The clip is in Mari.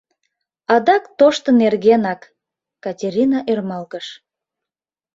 — Адак тошто нергенак, — Катерина ӧрмалгыш.